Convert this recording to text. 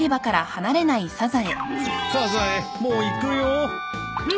サザエもう行くよ。